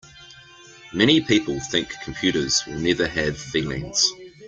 Many people think computers will never have feelings.